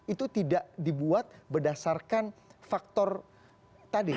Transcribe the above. itu tidak dibuat berdasarkan faktor tadi